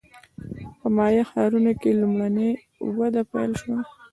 په مایا ښارونو کې لومړنۍ وده پیل شوه